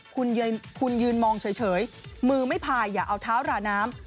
คุณยืนมองเฉยมือไม่พายอย่าเอาเท้าราน้ำ